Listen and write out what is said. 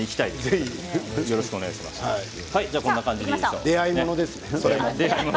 ぜひ、出会いものですね。